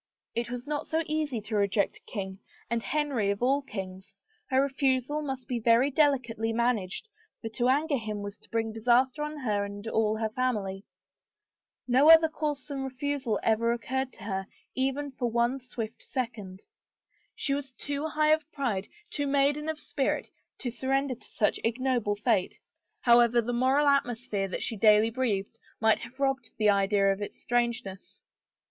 It was not so easy to reject a king and Henry of all kings ; her refusal must be very delicately managed for to anger him was to bring disaster on her and all hef family. No other course than refusal ever occurred to her even for one swift second. She was too high of pride, too maiden of spirit to surrender to such ignoble fate, however the moral atmosphere that she daily breathed, might have robbed the idea of its strangeness.